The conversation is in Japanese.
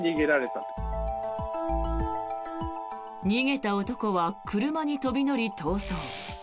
逃げた男は車に飛び乗り逃走。